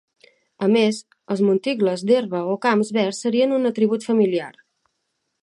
A més, els monticles d'herba o camps verds serien un atribut familiar.